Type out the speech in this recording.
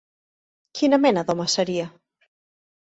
Quina mena d'home seria?